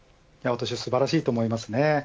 素晴らしいと思います。